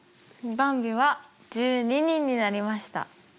ばんびは１２人になりました。